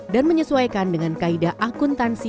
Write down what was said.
dan menyesuaikan dengan kaida akuntansi